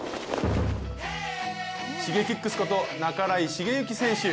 Ｓｈｉｇｅｋｉｘこと半井重幸選手。